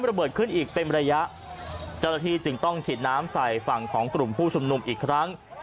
ระเบิดขึ้นอีกเป็นระยะเจ้าหน้าที่จึงต้องฉีดน้ำใส่ฝั่งของกลุ่มผู้ชุมนุมอีกครั้ง